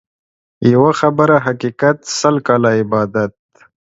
يوه خبره حقيقت ، سل کاله عبادت.